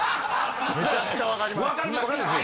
めちゃくちゃわかります。